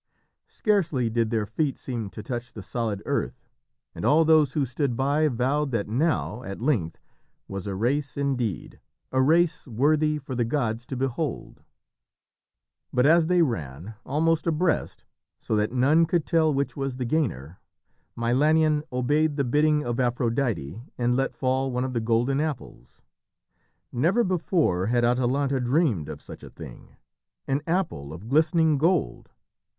Scarcely did their feet seem to touch the solid earth, and all those who stood by vowed that now, at length, was a race indeed, a race worthy for the gods to behold. [Illustration: SHE STOPPED, AND PICKED UP THE TREASURE] But as they ran, almost abreast, so that none could tell which was the gainer, Milanion obeyed the bidding of Aphrodite and let fall one of the golden apples. Never before had Atalanta dreamed of such a thing an apple of glistening gold!